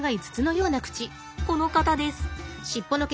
この方です。